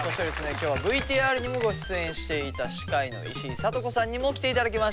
今日はＶＴＲにもご出演していた歯科医の石井さとこさんにも来ていただきました。